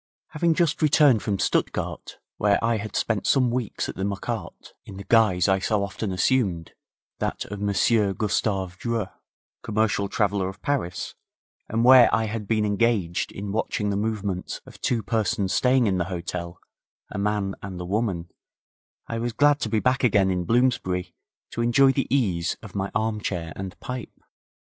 Having just returned from Stuttgart, where I had spent some weeks at the Marquardt in the guise I so often assumed, that of Monsieur Gustav Dreux, commercial traveller, of Paris, and where I had been engaged in watching the movements of two persons staying in the hotel, a man and a woman, I was glad to be back again in Bloomsbury to enjoy the ease of my armchair and pipe.